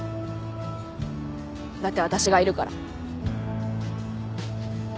だって私がいるから。